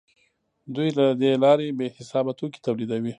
دوی له دې لارې بې حسابه توکي تولیدوي